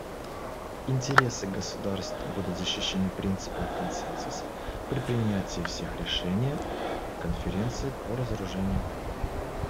Интересы государств будут защищены принципом консенсуса при принятии всех решений Конференцией по разоружению.